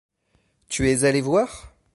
Tu es allé voir ?